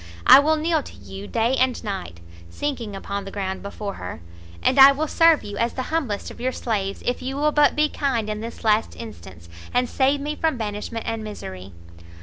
I will kneel to you day and night," sinking upon the ground before her, "and I will serve you as the humblest of your slaves, if you will but be kind in this last instance, and save me from banishment and misery!"